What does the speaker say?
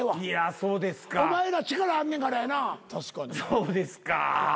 そうですか。